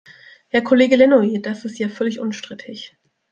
Herr Kollege Lannoye, das ist ja völlig unstrittig!